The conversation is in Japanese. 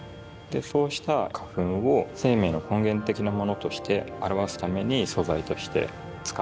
そうした花粉を生命の根源的なものとして表すために素材として使っています。